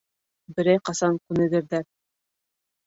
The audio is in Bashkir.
Берәй ҡасан күнегерҙәр.